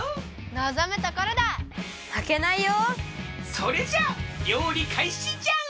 それじゃありょうりかいしじゃ！